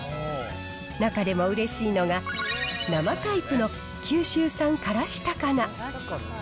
中でもうれしいのが、生タイプの九州産辛子高菜。